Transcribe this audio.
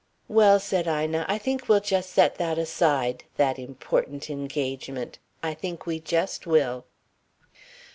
"Well," said Ina, "I think we'll just set that aside that important engagement. I think we just will."